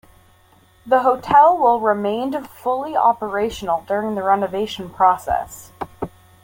The hotel will remained fully operational during the renovation process.